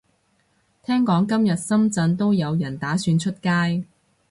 聽講今日深圳都有人打算出街